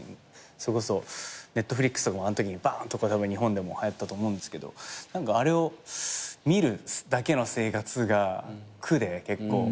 それこそＮｅｔｆｌｉｘとかもあのときにばーんと日本でもはやったと思うんですけどあれを見るだけの生活が苦で結構。